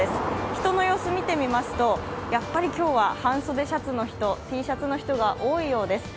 人の様子、見てみますとやっぱり今日は半袖シャツの人、Ｔシャツの人が多いようです。